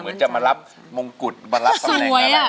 เหมือนจะมารับมงกุฎมารับสำแหน่ง